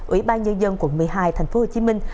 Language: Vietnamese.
ủy ban nhân dân quận một mươi hai thành phố hồ chí minh